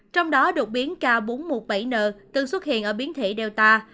trong đó đột biến k bốn trăm một mươi bảy n từng xuất hiện ở biến thị delta